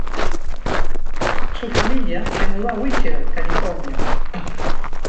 Su familia se mudó a Whittier, California.